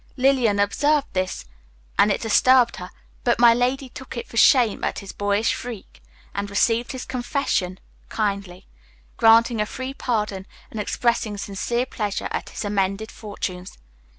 Lillian observed this, and it disturbed her, but my lady took it for shame at his boyish freak and received his confession kindly, granting a free pardon and expressing sincere pleasure at his amended fortunes.